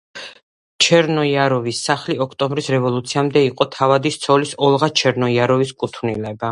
ჩერნოიაროვის სახლი ოქტომბრის რევოლუციამდე იყო თავადის ცოლის ოლღა ჩერნოიაროვის კუთვნილება.